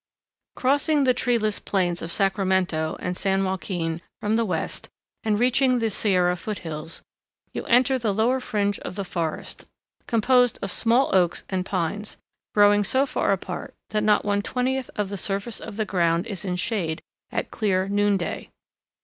Crossing the treeless plains of the Sacramento and San Joaquin from the west and reaching the Sierra foot hills, you enter the lower fringe of the forest, composed of small oaks and pines, growing so far apart that not one twentieth of the surface of the ground is in shade at clear noonday.